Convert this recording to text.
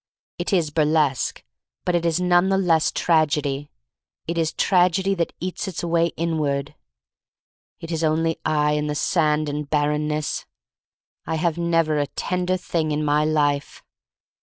It is burlesque, but it is none the less tragedy. It is tragedy that eats its way inward. It is only I and the sand and barren ness. I have never a tender thing in my life.